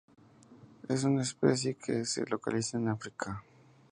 Es una especie que se localiza en África.